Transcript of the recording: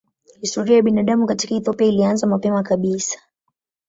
Historia ya binadamu katika Ethiopia ilianza mapema kabisa.